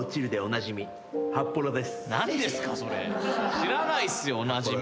知らないっすよ。おなじみ。